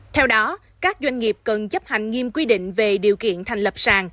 theo đó các doanh nghiệp cần chấp hành nghiêm quy định về điều kiện thành lập sàn